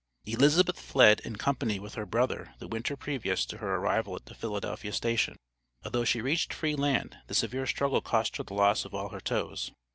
Elizabeth fled in company with her brother the winter previous to her arrival at the Philadelphia station. Although she reached free land the severe struggle cost her the loss of all her toes.